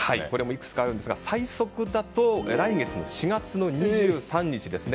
いくつかありますが最速だと来月の４月２３日ですね。